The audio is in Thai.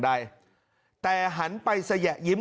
คุณสิริกัญญาบอกว่า๖๔เสียง